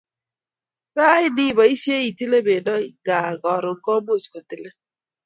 rani iboishe itilee bendo ingaa karon komuch kotilin